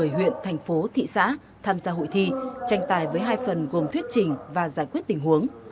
một mươi huyện thành phố thị xã tham gia hội thi tranh tài với hai phần gồm thuyết trình và giải quyết tình huống